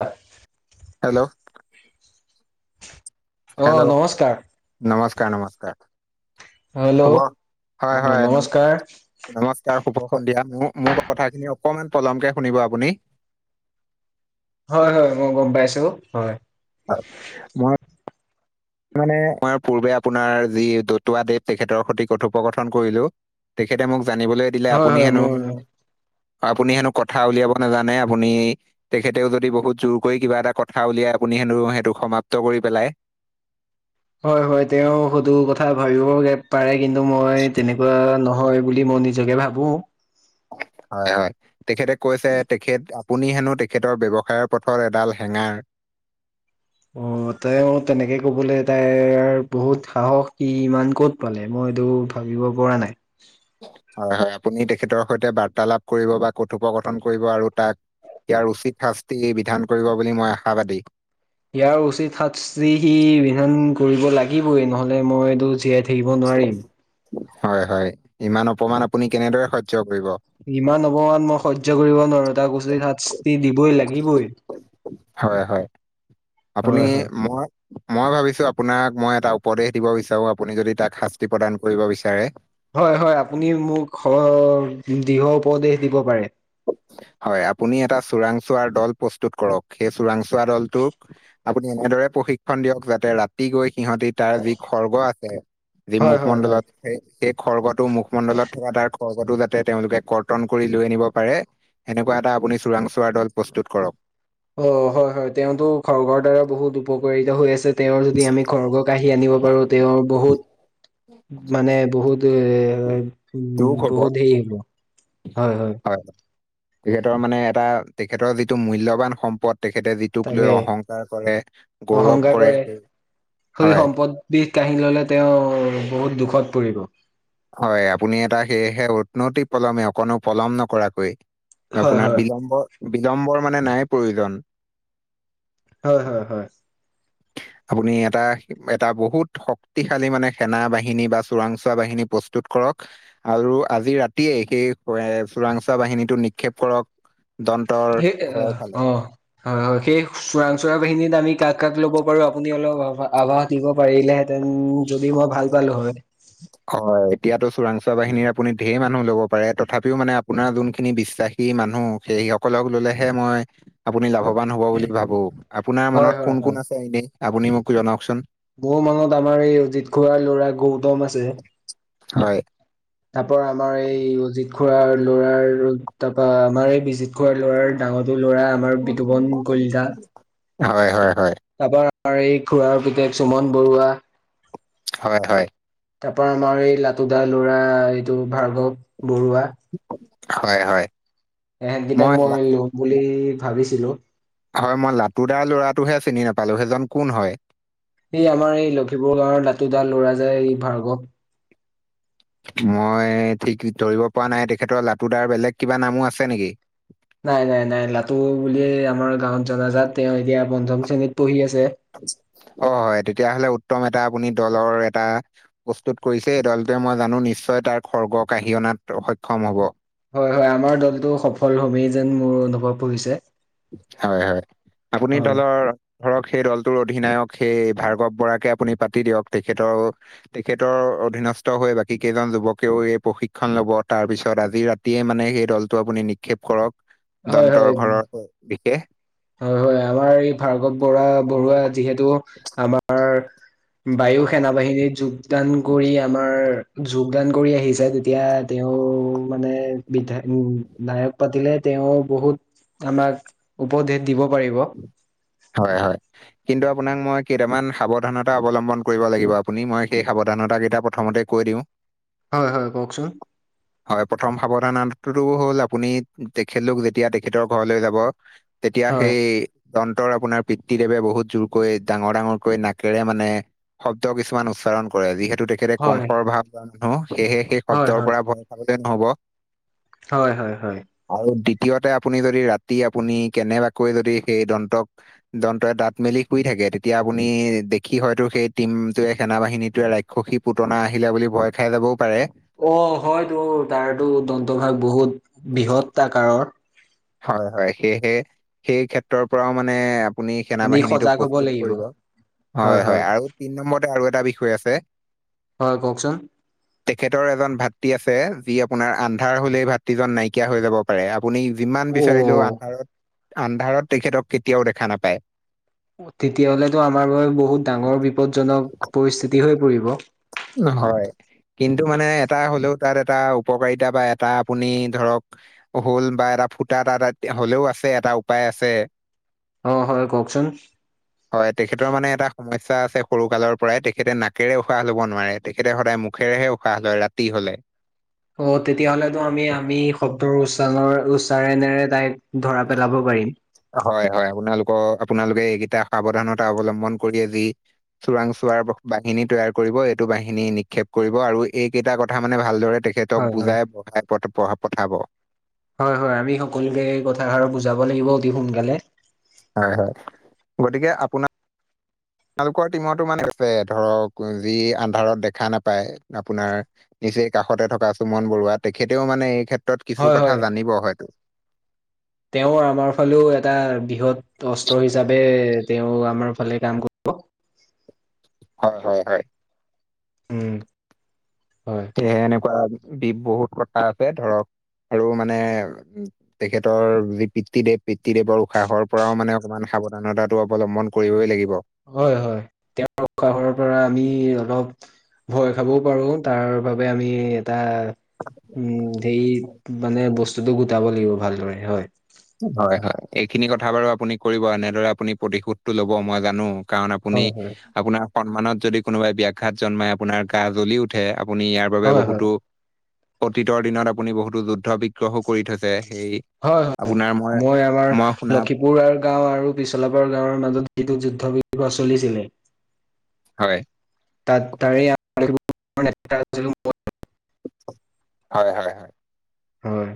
হয়। হেল্ল'। অ হেল্ল' নমস্কাৰ নমস্কাৰ নমস্কাৰ। হেল্ল' খবৰ, হয় অ হয়। নমস্কাৰ নমস্কাৰ শুভ সন্ধিয়া, মোৰ মোৰ কথাখিনি অকমান পলমকে শুনিব আপুনি। হয় হয় মই গম পাইছো হয়। হয় মই। মানে মই পূৰ্বে আপোনাৰ যি দতুৱা দেৱ তেখেতৰ সৈতে কথোপকথন কৰিলো। তেখেতে মোক জানিবলৈ দিলে হয় আপুনি হয় হেনো। মোৰ আপুনি হেনো কথা উলিয়াব নাজানে আপুনি। তেখেতেও যদি বহুত জোৰ কৰি কিবা এটা কথা উলিয়াই আপুনি সে সেইটো সমাপ্ত কৰি পেলাই। হয় হয় তেওঁ [unintelligible] কথা ভাবিব পাৰে কিন্তু মই তেনেকুৱা ন। হয় বুলি মই নিজকে ভাবো। হয় হয়, তেখেতে কৈছে তেখেত। আপুনি হেনো তেখেতৰ ব্যৱসায়ৰ পথত এডাল হেঙাৰ। অ তেওঁৰ তেনেকে ক'বলৈ তাই বহুত সাহস কি ইমান ক'ত। পালে মই এইটো ভাবিব পৰা নাই। হয় হয় আপুনি তেখেতৰ সৈতে বাৰ্তালাপ কৰিব বা কথোপকথন কৰিব আৰু তাক। ইয়াৰ উচিত শাস্তি বিধান কৰিব বুলি মই আশাবাদী। ইয়াৰ উচিত শাস্তি বিধান কৰিব লাগিবই নহ'লে মই এইটো জীয়াই থাকি। হয় হয় ইমান অপমান আপুনি কেনেদৰে সহ্য কৰিব। ইমান অপমান মই সহ্য কৰিব নোৱাৰো। [unintelligible] শাস্তি দিবই লাগিবই, হয় হয় আপুনি হয় হয়। মই মই ভাবিছো আপোনাক মই এটা উপদেশ দিব বিচাৰো, আপুনি যদি তাক শাস্তি প্ৰদান কৰিব বিচাৰে? হয় হয় আপুনি মোক দৃঢ় উপদেশ দিব পাৰে। হয় আপুনি এটা চোৰাংচোৱাৰ দল প্ৰস্তুত কৰক, সেই চোৰাংচোৱা দলটোক। আপুনি এনেদৰে প্ৰশিক্ষণ দিয়ক যাতে ৰাতি গৈ সিহঁতি। তাৰ যি খৰ্গ আছে যি হয় হয় হয়। মুখমণ্ডলত সেই সেই খৰ্গতটো মুখমণ্ডলত থকা তাৰ। খৰ্গতো যাতে তেওঁলোকে কৰ্তন কৰি লৈ আনিব। পাৰে, এনেকুৱা এটা আপুনি চোৰাংচোৱা দল প্ৰস্তুত কৰক। অ হয় হয়, তেওঁতো খৰ্গৰ দ্বাৰা বহুত উপকাৰিত হৈ আছে। তেওঁৰ যদি আমি খৰ্গ কাঢ়ি আনিব পাৰো তেওঁৰ বহুত মানে বহুত। উম, তেওঁক হ'ব বহুত হেৰি হব, হয় হয়। হয়, তেখেতৰ মানে এটা তেখেতৰ যিটো মূল্যবান সম্পদ তেখেতে যি। তোক তাকে লৈ অহংকাৰ কৰে, গৌৰৱ অহংকাৰ কৰে, সেই হয়। বিষ কাঢ়ি ললে তেওঁ বহুত দুখত পৰিব। হয় আপুনি এটা সেয়েহে উন্নতি পলমে অকণো পলম নকৰাকৈ। হয় আপোনাৰ হয় বিলম্ব, বিলম্বৰ মানে নাই প্ৰয়োজন। হয় হয় হয়। আপুনি এটা, এটা বহুত শক্তিশালী মানে সেনা বাহিনী বা চোৰাংচোৱা বাহিনী প্ৰস্তুত কৰক। আৰু আজি ৰাতিয়ে সেই চোৰাংচোৱা বাহিনীটো নিক্ষেপ কৰক। দন্তৰ সেই ঘৰৰ অ ফালে। হয় হয়, সেই চোৰাং চোৰা বাহিনীত আমি কাক কাক ল'ব পাৰো। আপুনি অলপ আভাস- দিব পাৰিলেহেঁতেন। যদি মই ভাল পালোঁ হয়। হয়, এতিয়াতো চোৰাংচোৱা বাহিনীৰ আপুনি ঢেৰ মানুহ ল'ব পাৰে। তথাপিও মানে আপোনাৰ যোনখিনি বিশ্বাসী- মানুহ, সেই সকলক ললেহে মই- আপুনি লাভৱান হ'ব বুলি ভাবোঁ, আপোনাৰ হয় মনত হয় কোন কোন আছে এনে আপুনি মোক জনাওকচোন। বহু মানুহ আমাৰ এই অজিত খুৰাৰ ল'ৰা গৌতম আছে। হয়, তাৰপৰা আমাৰ এই অজিত খুুৰাৰ ল'ৰাৰ, তাৰপৰা আমাৰ এই বিজিত খুৰা- খুৰাৰ ল'ৰাৰ ডাঙৰ ল'ৰা আমাৰ বিতুপন কলিতা। হয় হয় হয়। তাৰপৰা আমাৰ এই খুৰাৰ পুতেক সুমন বৰুৱা। হয় হয়। তাৰ পৰা আমাৰ এই লাটোদাৰ ল'ৰা এইটো ভাৰ্গৱ বৰুৱা। হয় হয়। এহেট কেইটাক মই ল'ম বুলি ভাবিছিলোঁ। হয়, মই লাটোদাৰ ল'ৰাটোহে চিনি নাপালোঁ। সেইজন কোন হয়। এই আমাৰ এই লখিপুৰ গাঁৱৰ লাতু দা ল'ৰা যে এই ভাৰ্গৱ। মই ঠিক ধৰিব পৰা নাই। তেখেতৰ লাতু দাৰ বেলেগ কিবা নামো আছে নেকি? নাই নাই নাই, লাতু বুলিয়ে আমাৰ গাঁৱত জনাজাত। তেওঁ এতিয়া পঞ্চম শ্ৰেণীত পঢ়ি আছে। অ', হয়, তেতিয়াহ'লে উত্তম এটা আপুনি দলৰ এটা- প্ৰস্তুত কৰিছে, এই দলটোৱে মই জানোঁ নিশ্চয় তাৰ খৰ্গ কাঢ়ি অনাত সক্ষম হ'ব। হয় হয়, আমাৰ দলটো সফল হ'মেই যেন মোৰ অনুভৱ হৈছে। হয় হয়, আপুনি হয়। দলৰ- ধৰক সেই দলটোৰ অধিনায়ক সেই ভাৰ্গৱ বৰাকে আপুনি পাতি দিয়ক। তেখেতৰ- তেখেতৰ অধীনস্থ হৈ বাকী কেইজন যুৱকেও এই প্ৰশিক্ষন ল'ব। তাৰপিছত আজি ৰাতি- দিয়ে মানে সেই দলটো আপুনি নিক্ষেপ কৰক। হয় হয় দন্তৰ ঘৰৰ বিশেষ। হয় হয়, আমাৰ এই ভাৰ্গৱ বৰা বৰুৱা যিহেতু আমাৰ পা বায়ুসে সেনা বাহিনীত যোগদান কৰি আহিছে। আমাৰ যোগদান কৰি আহিছে। তেতিয়া তেওঁৰ, মানে বিধায়ক পাতিলে। তেওঁ বহুত আমাক, উপদেশ দিব পাৰিব। হয় হয়। কিন্তু আপোনাক মই কেইটামান সাৱধানতা অৱলম্বন কৰিব লাগিব। আপুনি মই সেই সাৱধানতাকেইটা প্ৰথমতে কৈ দিওঁ। উ। হয় হয় কওঁকচোন। [unintelligible] হয় প্ৰথম সাৱধানটো হ'ল, আপুনি তেখেতলোক যেতিয়া তেখেতৰ ঘৰলৈ যাব। তেতিয়া হয়। সেই, দন্তৰ আপোনাৰ পিতৃ দেৱে বহুত জোৰকৈ ডাঙৰ ডাঙৰকৈ নাকেৰে মানে। শব্দ কিছুমান উচ্চাৰণ কৰে। যিহেতু, তেখেতে হয়, কংসৰ ভাৱ লোৱা মানুহ, সেয়েহে সেই হয়, শব্দৰ হয়, পৰা ভয় খাবলে নহ'ব। হয়, হয়, হয়। আৰু দ্বিতীয়তে আপুনি যদি, ৰাতি আপুনি কেনেবাকৈ যদি সেই দন্তক। দন্তয়ে দাঁত মেলি শুই থাকে। তেতিয়া আপুনি দেখি হয়তো সেই টিমটোৱে, সেনা বাহিনীটোৱে ৰাখি সখী পুতনা আহিলে বুলি, ভয় খাই যাবও পাৰে। অ, হয়তো তাৰ টো দন্তভাগ বহুত বৃহত্ত আকাৰৰ। হয়, হয়, সেয়েহে সেই ক্ষেত্ৰৰ পৰাও মানে আপুনি সেনা আমি বাহিনীটোক সজাগ হ'ব প্ৰস্তুত লাগিব। কৰিব। হয়, হয়, আৰু তিন নম্বৰতে আৰু এটা বিষয় আছে। হয়, কওঁকচোন। [inaudible] তেখেতৰ এজন ভাতৃ আছে, যি আপোনাৰ আন্ধাৰ হ'লেই ভাতৃজন নাইকিয়া হৈ যাব পাৰে আপুনি যিমান বিচাৰিলোও, অ'। আন্ধাৰত, আন্ধাৰত তেখেতক কেতিয়াও দেখা নাপায়। তেতিয়াহ'লেতো আমাৰ বাবে, বহুত ডাঙৰ বিপদজনক পৰিস্থিতি হৈ পৰিব। নহয়, কিন্তু মানে এটা হ'লেও, তাত এটা উপকাৰিতা বা এটা আপুনি ধৰক হৌল বা এটা ফুটা এটা, এটা হ'লেও আছে। এটা উপায় আছে। অ, হয়, কওঁকচোন। [unintelligible] হয়। তেখেতৰ মানে এটা সমস্যা আছে, সৰু কালৰ পৰাই তেখেতে নাকেৰে উশাহ ল'ব নোৱাৰে তেখেতে সদায় মুখেৰেহে উষ হ, হয় ৰাতি হ'লে। অ, তেতিয়াহলেতো আমি, আমি। শব্দৰ উচ্চাৰণৰ, উচ্চাৰণেৰে তাইক ধৰা পেলাব পাৰিম। হয়, হয় আপোনালোকৰ, আপোনালোকে এইকেইটা সাৱধানতা অৱলম্বন কৰি আজি চোৰাং, চোৱাৰ বাহিনী তৈয়াৰ কৰিব, এইটো বাহিনী নিক্ষেপ কৰিব আৰু এইকেইটা কথা মানে ভালদৰে তেখেতে হয়, তেখেতক হয়, বুজাই বঢ়াই প, পঠাব। হয়, হয়, আমি সকলোকে এই কথাষাৰ বুজাব লাগিব অতি সোনকালে। হয়, হয়, গতিকে আপোনাক তেওঁলোকৰ টিমতো মানে আছে, ধৰক যি আন্ধাৰত দেখা নাপায় আপোনাৰ। নিচেই কাষতে থকা, চুমন বৰুৱা। তেখেতেও মানে এই ক্ষেত্ৰত কিছু হয়, কথা জানিব হয়তো। তেওঁ আমাৰ ফালেও, এটা বৃহৎ অস্ত্ৰ হিচাপে তেওঁ আমাৰ ফালে কাম হয় হয়, হয়। উম, হয়। সেয়েহে এনেকুৱা বি, বহুত কথা আছে ধৰক, আৰু মানে তেখেতৰ যি পিতৃ, দেৱ পিতৃ-দেৱৰ উশাহৰ পৰাও মানে, অকমান সাৱধানতাটো অৱলম্বন কৰিবই লাগিব। হয়, হয়, তেওঁ কাষৰ পৰা, আমি অলপ ভয় খাবও পাৰো, তাৰ বাবে আমি এটা, উম, হেৰি মানে বস্তুটো গোটাব লাগিব ভালদৰে হয়। হয়, হয়, এইখিনি কথা বাৰু আপুনি কৰিব, এনেদৰে আপুনি প্ৰতিশোধ টো ল'ব মই জানো। কাৰণ, আপুনি হয় হয় আপোনাৰ সন্মানত যদি কোনোবাই ব্যাঘাত জন্মাই, আপোনাৰ গা, জ্বলি উঠে আপুনি ইয়াৰ বাবে হয় হয় বহুতো, অতীতৰ দিনত আপুনি বহুতো যুদ্ধ বিগ্ৰহো কৰি থৈছে, সেই হয়, হয়, মই আমাৰ মই শুনা লক্ষীমপুৰ কুকুৰাৰ গাঁও আৰু পিছলাপাৰ গাঁৱৰ মাজত যিটো যুদ্ধ বিগ্ৰহ চলিছিলে। হয়। তাত, তাৰে আ তাত [inaudible] হয়, হয়। হয়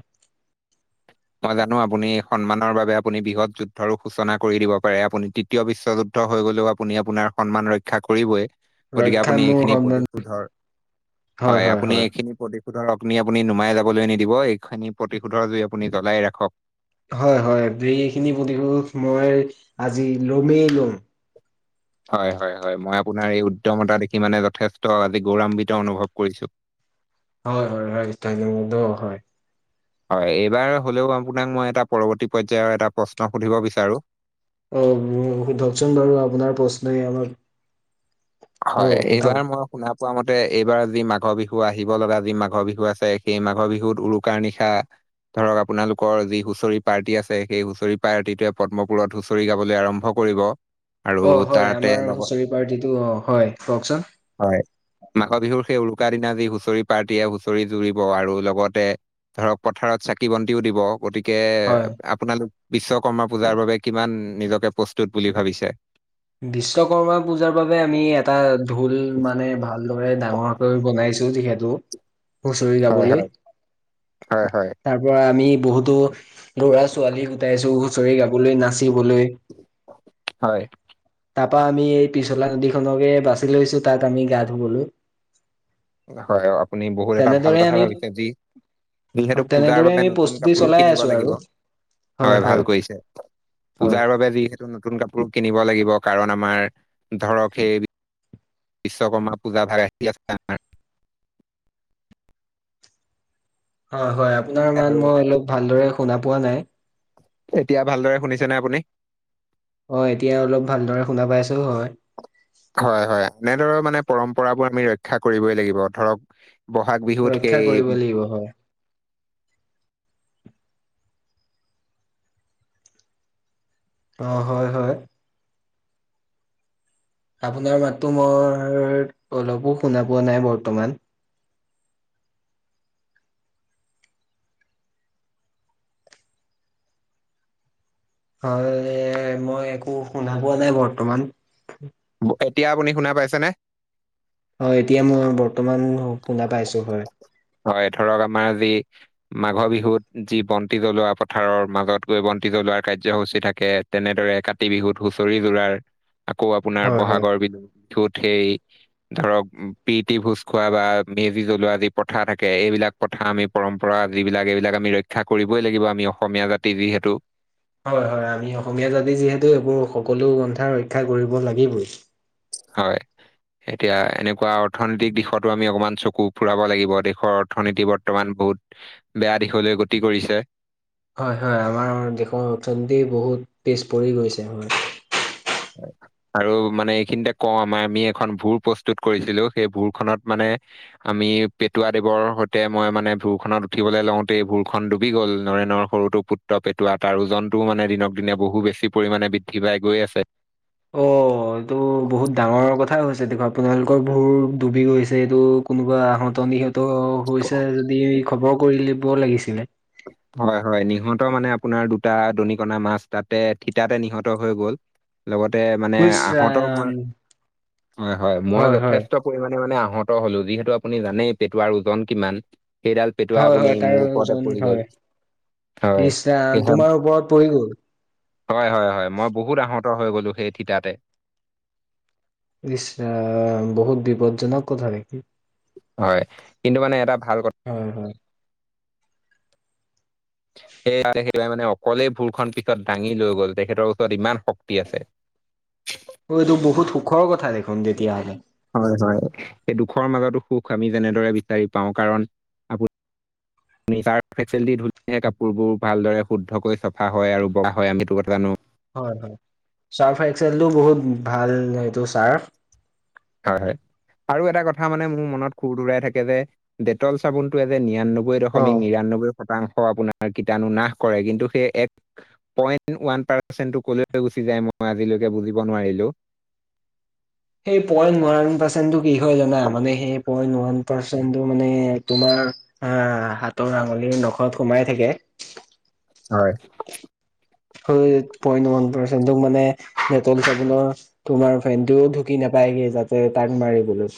মই জানো আপুনি সন্মানৰ বাবে আপুনি বৃহৎ যুদ্ধৰো সূচনা কৰি দিব পাৰে- আপুনি তৃ- তীয় বিশ্বযুদ্ধ হৈ গ'লেও আপুনি, আপোনাৰ সন্মান ৰক্ষা কৰিবই- গতিকে ৰক্ষা আপুনি মোৰ এইখিনি সন্মান প্ৰতিশোধৰ- হয়, আপুনি এইখিনি প্ৰতিশো- প্ৰতিশোধৰ অগ্নি আপুনি নমাই যাবলৈ নিদিব- এইখনি প্ৰতিশোধৰ জুই আপুনি জ্বলাই ৰাখক। হয় হয়, এইখিনি প্ৰতিশোধ মই আজি লমেই লম। হয় হয় হয় মই আপোনাৰ এই উদ্যমতা দেখি মানে যথেষ্ট আজি গৌৰান্বিত অনুভৱ কৰিছো। হয় হয় হয় ধইনবদ' হয়। হয় এইবাৰ হলেও আপোনাক মই এটা পৰবৰ্তী পৰ্যায়ৰ এটা প্ৰশ্ন সুধিব বিচাৰো- অ' সোধকচোন বাৰু? আপোনাৰ প্ৰশ্নই অলপ- হয়, এইবাৰ মই শুনা পোৱা মতে এইবাৰ যি মাঘৰ বিহু আহিব লগা যি মাঘৰ বিহু আছে, সেই মাঘৰ বিহুত উৰুকাৰ নিশা ধৰক আপোনালোকৰ যি হুঁচৰি পাৰ্টি আছে- সেই হুঁচৰি পাৰ্টিটোৱে পদ্মপুৰত হুঁচৰি গাবলৈ আৰম্ভ কৰিব! আৰু অ' হয়! তাতে আমাৰ লগত হুচৰি পাৰ্টিটো অ' হয়! কওকচোন! হয়, মাঘৰ বিহুৰ সেই উৰুকা দিনা যি হুঁচৰি পাৰ্টিয়ে হুঁচৰি জুৰিব আৰু লগতে ধৰক পথাৰত চাকি-বন্তিও দিব! গতিকে, হয় আপোনালোক বিশ্বকৰ্মা পূজাৰ বাবে কিমান নিজকে প্ৰস্তুত বুলি ভাবিছে? বিশ্বকৰ্মা পূজাৰ বাবে আমি এটা ঢোল মানে ভাল দৰে ডাঙৰকে বনাইছো যিহেতু হুঁচৰি হয়, গাবলৈ। হয়, হয়, হয়, তাৰ পৰা আমি বহুতো ল'ৰা-ছোৱালী গোটাইছো হুঁচৰি গাবলৈ, নাচিবলৈ হয় তাপা আমি এই পিছলা নদীখনকে বাছি লৈছো তাত আমি গা ধুবলৈ। হয় আপুনি বহুত এটা ভাল তেনেদৰে কথা আমি ভাবিছে যি যিহেতু পূজাৰ তেনেদৰে বাবে আমি নতুন প্ৰস্তুতি কাপোৰো চলাই আছো কিনিব আৰু লাগিব! হয় ভাল কৰিছে। হয় পূজাৰ বাবে যিহে- নুতুন নুতুন কাপোৰ কিনিব লাগিব কাৰণ আমাৰ, ধৰক সেই বিশ্বকৰ্মা পূজা ভাগ আহি আছে আমাৰ হয় হয়! আপোনাৰ মাত আৰু মই অলপ ভালদৰে শুনা পোৱা নাই! এতিয়া ভালদৰে শুনিছে নে আপুনি? অ' এতিয়া অলপ ভালদৰে শুনা পাইছোঁ, হয়। হয়, হয়! এনেদৰে মানে পৰম্পৰাবোৰ আমি ৰক্ষা কৰিবই লাগিব! ধৰক ব'হাগ বিহুত সেই বিহু হয় অ' হয় হয়। আপোনাৰ মাতটো মোৰ্ অলপো শুনা পোৱা নাই বৰ্তমান! হয়, মই একো শুনা পোৱা নাই বৰ্তমান! এতিয়া আপুনি শুনা পাইছেনে? অ' এতিয়া মই বৰ্তমান শুনা পাইছো! হয়! হয়, ধৰক আমাৰ যি মাঘৰ বিহুত যি বন্তি জ্বলোৱা পথাৰৰ মাজত গৈ বন্তি জ্বলোৱা কাৰ্যসূচী থাকে, তেনেদৰে কাতি বিহুত হুঁচৰি জুৰাৰ, আকৌ আপোনাৰ হয় হয় ব'হাগৰ বিহু [unintelligible] সেই, ধৰক প্ৰীতি ভোজ খোৱা বা [inaudible] মেজি জ্বলোৱা যি প্ৰথা থাকে, এইবিলাক প্ৰথা আমি পৰম্পৰা যিবিলাক এইবিলাক আমি ৰক্ষা কৰিবই লাগিব! আমি অসমীয়া জা টিভি সেইটো হয়, হয়! আমি অসমীয়া জাতি যিহেতু এইবোৰ সকলো পন্থা ৰক্ষা কৰিব লাগিবই! হয়! এতিয়া এনেকুৱা অৰ্থনৈতিক দিশতো আমি অকমান চকু ফুৰাব লাগিব! দেশৰ অৰ্থনীতি বৰ্তমান বহুত বেয়া দিশলৈ গতি কৰিছে! হয়, হয়! আমাৰ দেশৰ অৰ্থনীতি বহুত পিছ পৰি গৈছে, হয়! [inaudible] আৰু মানে এইখিনিতে কওঁ, আমাৰ আমি এখন ভূৰ প্ৰস্তুত কৰিছিলোঁ! সেই ভূৰখনত মানে আমি পেটুৱা দেৱৰ সৈতে মই মানে ভূৰ খনত উঠিবলৈ লওঁতেই ভূৰখন ডুবি গ'ল! নৰেনৰ সৰুটো পুত্ৰ পেটুৱা, তাৰ ওজনটোও মানে দিনক দিনে বহু বেছি পৰিমাণে বৃদ্ধি পাই গৈ আছে! অ', এইটো বহুত ডাঙৰ কথাই হৈছে দেখোন, আপোনালোকৰ ভূৰ ডুবি গৈছে! এইটো কোনোবা আহত নিহত হৈছে যদি খবৰ কৰি লব লাগিছিলে! হয়, হয়, নিহত মানে আপোনাৰ দুটা দনিকণা মাছ তাতে থিতাতে নিহত হৈ গ'ল। লগতে মানে ইচ আহতৰ মই ৰাম হয় হয় মই যথেষ্ট পৰিমাণে মানে আহত হলো যিহেতু আপুনি জানেই পেটাৰ ওজন কিমান সেইডাল পেটুৱা হয় আপুনি হয় মোৰ তাৰে ওপৰতে ওজন পৰি গ'ল হয় হয়। ইচ ৰাম সেয়েহে তোমাৰ ওপৰত পৰি গ'ল হয় হয় হয় মই বহুত আহত হৈ গলো সেই থিতাতে ইচ ৰাম বহুত বিপদজনক কথা দেখোন হয় কিন্তু মানে এটা ভাল কথা হয় হয় সেয় সেইয়াই মানে অকলেই ভোৰখন পিছত দাঙি লৈ গল তেখেতৰ ওচৰত ইমান শক্তি আছে অ এইটো বহুত সুখৰ কথা দেখোন তেতিয়াহ'লে হয়, হয়, এই দুখৰ মাজতো সুখ আমি যেনেদৰে বিচাৰি পাওঁ, কাৰণ আমি ছাৰ্ফ এক্সেল দি ধুলে কাপোৰবোৰ ভালদৰে শুদ্ধকৈ চফা হয় আৰু বগা হয় আমি এইটো কথা জানো হয়, হয়, চাৰ্ফ এক্সেলটো বহুত ভাল, সেইটো চাৰ্ফ। হয়, হয়, আৰু এটা কথা মানে মোৰ মনত খুৰ দুৰাই থাকে যে ডেটল চাবোনটোয়ে যে নিৰান্নব্ব ব্বৈ, দশমিক অ নিৰান্নব্বৈ শতাংশ আপোনাৰ কিতাৰ্ণু নাশ কৰে, কিন্তু সেই এক পইণ্ট ওৱান পাৰ্চন্টটো কলৈকে গুচি যায়, মই আজিলৈকে বুজিব নোৱাৰিলোঁ! সেই পইন্ট ওৱান পাৰ্চেণ্টটো কি হয় জানা, মানে সেই পইণ্ট ওৱান পাচেন্টটো মানে তোমাৰ আ হাতৰ আঙুলিৰ নখত সোমাই থাকে। হয় পইন ওৱান পাৰ্চেণ্টো মানে ডেটল চাবোনৰ তোমাৰ ফেনটোও ঢুকি নাপায়গে যাতে তাক মাৰিবলৈ